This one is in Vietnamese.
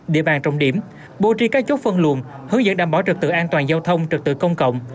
địa bàn trọng điểm bố trí các chốt phân luồn hướng dẫn đảm bảo trực tự an toàn giao thông trực tự công cộng